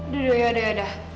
yaudah yaudah yaudah